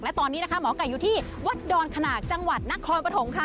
และตอนนี้นะคะหมอไก่อยู่ที่วัดดอนขนากจังหวัดนครปฐมค่ะ